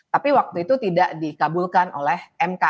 tapi waktu itu tidak dikabulkan oleh mk